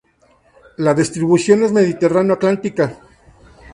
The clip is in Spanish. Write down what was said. La distribución es Mediterráneo-atlántica.